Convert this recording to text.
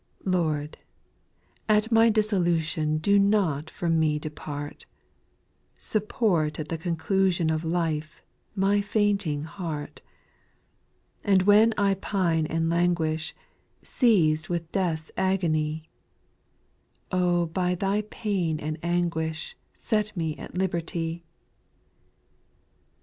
5. Lord, at my dissolution Do not from me depart ; Support at the conclusion Of life, my fainting heart ; And when I i^ine and languish, Seiz'd with death's agony, by Thy pain and anguish Set me at liberty